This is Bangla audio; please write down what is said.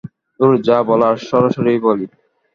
ধুর, যা বলার সরাসরিই বলি।